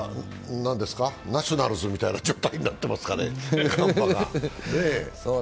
ナショナルズみたいな状態になっていますかね。